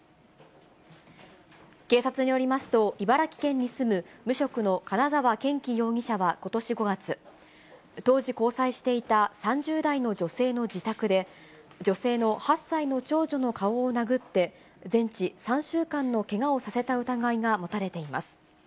警察によりますと、茨城県に住む無職の金沢健樹容疑者はことし５月、当時交際していた３０代の女性の自宅で、女性の８歳の長女の顔を殴って、全治３週間のけがをさせた疑いが持たれています。